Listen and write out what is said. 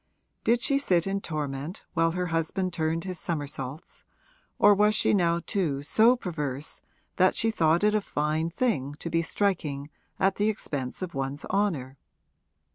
Did she sit in torment while her husband turned his somersaults, or was she now too so perverse that she thought it a fine thing to be striking at the expense of one's honour?